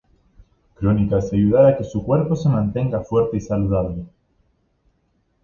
crónicas y ayudar a que su cuerpo se mantenga fuerte y saludable